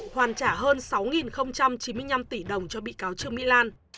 hoàn trả hơn sáu chín mươi năm tỷ đồng cho bị cáo trương mỹ lan